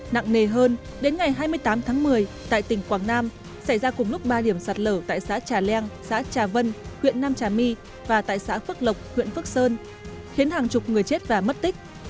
nặng nề hơn đến ngày hai mươi tám tháng một mươi tại tỉnh quảng nam xảy ra cùng lúc ba điểm sạt lở tại xã trà leng xã trà vân huyện nam trà my và tại xã phước lộc huyện phước sơn khiến hàng chục người chết và mất tích